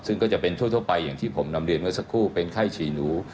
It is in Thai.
ซึ่งก็จะเป็นทั่วไปอย่างที่ผมนำเรียนเมื่อสักครู่เป็นไข้ฉี่หนู